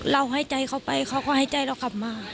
ให้ใจเขาไปเขาก็ให้ใจเรากลับมา